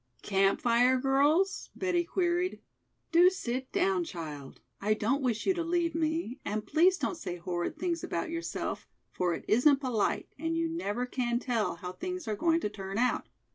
"Camp Fire Girls?" Betty queried. "Do sit down, child, I don't wish you to leave me, and please don't say horrid things about yourself, for it isn't polite and you never can tell how things are going to turn out.